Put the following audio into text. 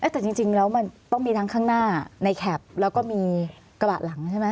แต่จริงแล้วมันต้องมีทั้งข้างหน้าในแคปแล้วก็มีกระบะหลังใช่ไหม